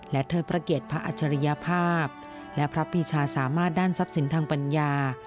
และเธอประเกียจพระอัจฉริยภาพและพระปีชาสามารถด้านทรัพย์ศิลป์ทางปัญญา